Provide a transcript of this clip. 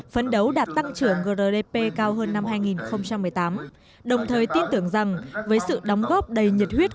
phấn đấu đạt tăng trưởng grdp cao hơn năm hai nghìn một mươi tám đồng thời tin tưởng rằng với sự đóng góp đầy nhiệt huyết